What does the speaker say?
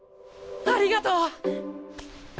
ありがとう！